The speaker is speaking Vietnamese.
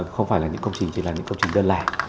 không phải là những công trình chỉ là những công trình đơn lẻ